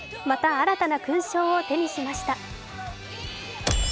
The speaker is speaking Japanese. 新たな勲章を手にしました。